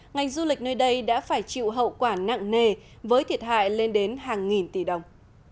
ngành du lịch nơi đây đã phải chịu hậu quả nặng nề với thiệt hại lên đến hàng nghìn tỷ đồng